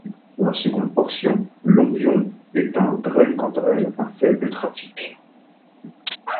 La seconde portion, Longuyon-Étain, draine quant à elle un faible trafic.